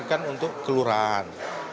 dari dana kelurahan